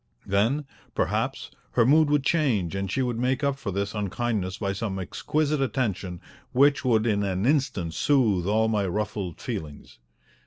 Then, perhaps, her mood would change and she would make up for this unkindness by some exquisite attention which would in an instant soothe all my ruffled feelings.